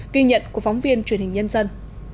ghi nhận của phóng viên truyền hình nhân dân